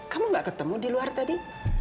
kamu gak ketemu di luar tadi